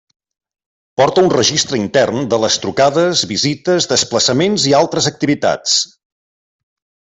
Porta un registre intern de les trucades, visites, desplaçaments i altres activitats.